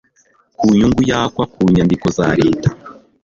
ku nyungu yakwa ku nyandiko za Leta